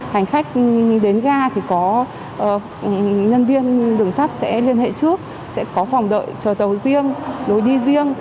hành khách đến ga thì có nhân viên đường sắt sẽ liên hệ trước sẽ có phòng đợi chờ tàu riêng lối đi riêng